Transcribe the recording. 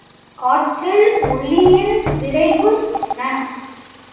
காற்றில் ஒலியின் விரைவு என்ன?